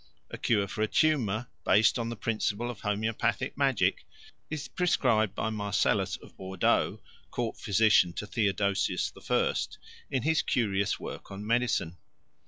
A cure for a tumour, based on the principle of homoeopathic magic, is prescribed by Marcellus of Bordeaux, court physician to Theodosius the First, in his curious work on medicine.